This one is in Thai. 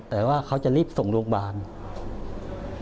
แต่ว่าเขาจะรีบส่งโรงพยาบาล